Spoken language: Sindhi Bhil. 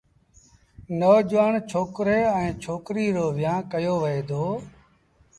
نوجوآڻ ڇوڪري ائيٚݩ ڇوڪريٚ رو ويهآݩ ڪيو وهي دو۔